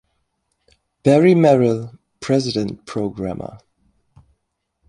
Barry Merrill, President-Programmer.